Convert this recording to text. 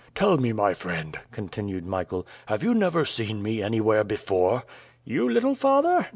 Tell me, my friend," continued Michael, "have you never seen me anywhere before?" "You, little father?